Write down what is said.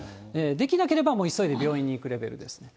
できなければ急いで病院に行くレベルです。